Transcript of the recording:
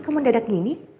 kamu mendadak gini